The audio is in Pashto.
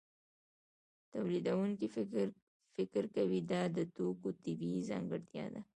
تولیدونکی فکر کوي دا د توکو طبیعي ځانګړتیا ده